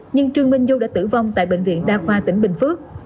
nhưng trương minh du đã tử vong tại bệnh viện đa khoa tỉnh bình phước